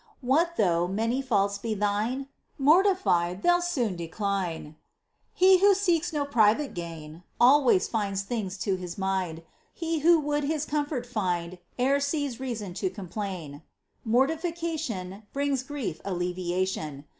What though many faults be thine ? Mortified, they'll soon decline ! He who seeks no private gain Always finds things to his mind : He who would his comfort find E'er sees reason to complain. POEMS. ^ 57 Mortification Brings grief alleviation.